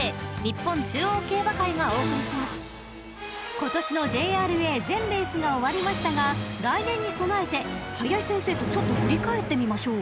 ［今年のＪＲＡの全レースが終わりましたが来年に備えて林先生とちょっと振り返ってみましょう］